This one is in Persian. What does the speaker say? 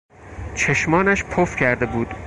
چشمانش پف کرده بود.